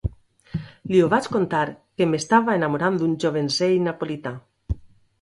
Li ho vaig contar, que m'estava enamorant d'un jovencell napolità...